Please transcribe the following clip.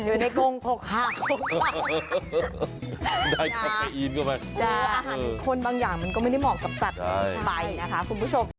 อยู่ในกรงพกฮะได้กลับไปอีนก็ไปอาหารคนบางอย่างมันก็ไม่ได้เหมาะกับสัตว์ใบนะคะคุณผู้ชม